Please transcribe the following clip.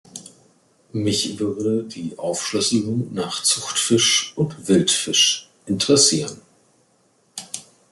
Mich würde die Aufschlüsselung nach Zuchtfisch und Wildfisch interessieren.